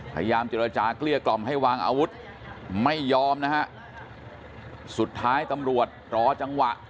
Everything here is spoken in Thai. พยายามเจรจาเกลี้ยกล่อมให้วางอาวุธไม่ยอมนะฮะสุดท้ายตำรวจรอจังหวะ